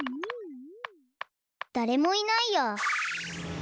だれもいないや。